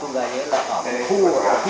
điều này là khu b chín